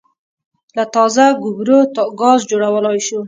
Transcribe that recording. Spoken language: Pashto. له تازه ګوبرو ګاز جوړولای شو